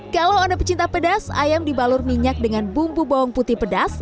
kalau anda pecinta pedas ayam dibalur minyak dengan bumbu bawang putih pedas